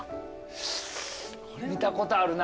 見たことあるな。